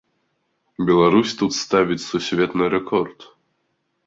Беларусь тут ставіць сусветны рэкорд!